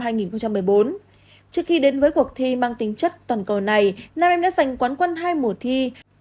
trước khi đến với cuộc thi mang tính chất toàn cầu này nam em đã giành quán quân hai mùa thi